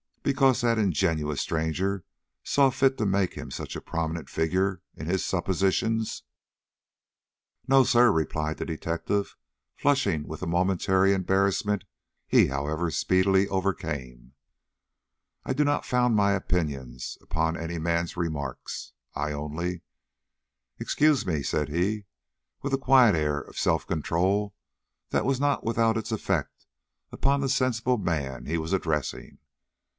Because that ingenious stranger saw fit to make him such a prominent figure in his suppositions?" "No, sir," replied the detective, flushing with a momentary embarrassment he however speedily overcame; "I do not found my opinions upon any man's remarks. I only Excuse me," said he, with a quiet air of self control that was not without its effect upon the sensible man he was addressing.